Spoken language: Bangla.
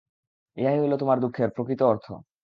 ইহাই হইল তোমার দুঃখের প্রকৃত অর্থ।